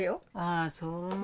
ああそう。